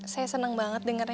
saya seneng banget dengernya